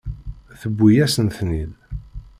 Tewwi-yasen-ten-id.